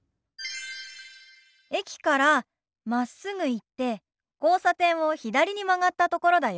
駅からまっすぐ行って交差点を左に曲がったところだよ。